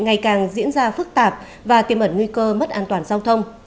ngày càng diễn ra phức tạp và tiềm ẩn nguy cơ mất an toàn giao thông